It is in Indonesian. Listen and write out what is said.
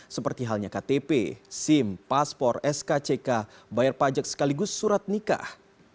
seperti halnya ktp sim paspor skck bayar pajak sekaligus surat nikah